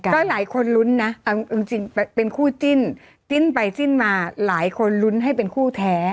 ก็หลายคนลุ้นนะเอาจริงเป็นคู่จิ้นจิ้นไปจิ้นมาหลายคนลุ้นให้เป็นคู่แท้